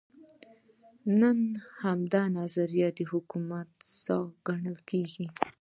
نن همدا نظریه د حکومت ساه ګڼل کېږي.